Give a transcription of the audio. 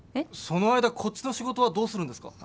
その間こっちの仕事はどうするんですか？